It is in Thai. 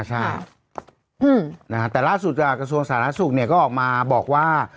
ใช่แต่ล่าสุดกระทรวงสาธารณสุขก็ออกมาบอกว่า